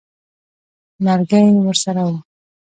لرګی ورسره وو.